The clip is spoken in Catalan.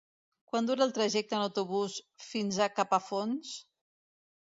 Quant dura el trajecte en autobús fins a Capafonts?